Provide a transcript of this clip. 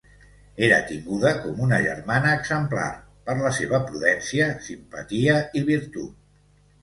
Era tinguda com una germana exemplar, per la seva prudència, simpatia i virtut.